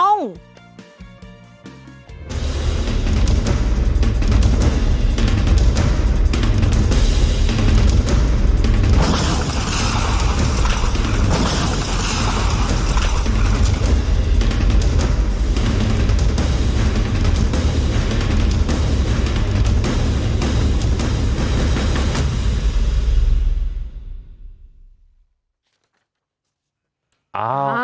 เอ้า